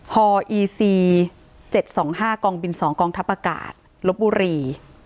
ฮอีซี๗๒๕กองบิน๒กองทัพอากาศลบบุรี